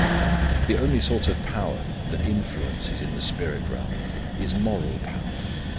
The only sort of power that influences in the spirit realm is moral power.